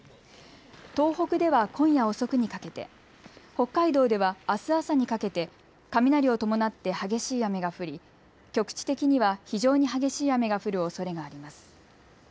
東北では今夜遅くにかけて、北海道ではあす朝にかけて雷を伴って激しい雨が降り局地的には非常に激しい雨が降るおそれがあります。